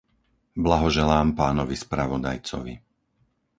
Blahoželám pánovi spravodajcovi.